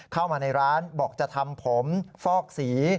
เข้ามาในร้านบอกจะทำผมฟอกสี